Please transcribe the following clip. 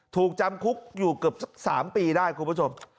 ถูกจำคุกอยู่เกือบ๓ปีได้คุณผู้ชม